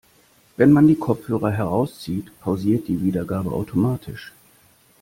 Wenn man die Kopfhörer herauszieht, pausiert die Wiedergabe automatisch.